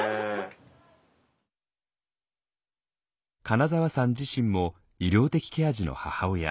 金澤さん自身も医療的ケア児の母親。